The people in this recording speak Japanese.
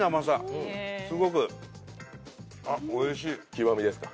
極ですか？